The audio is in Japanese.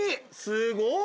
すごい。